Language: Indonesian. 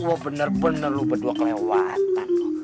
wah bener bener lu berdua kelewatan